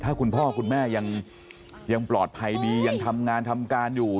ถ้าคุณพ่อคุณแม่ยังปลอดภัยดียังทำงานทำการอยู่